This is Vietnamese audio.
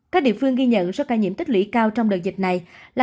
các địa phương ghi nhận số ca nhiễm tích lũy cao trong đợt dịch này là